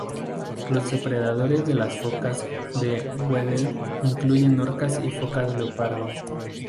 Los depredadores de las focas de Weddell incluyen orcas y focas leopardo.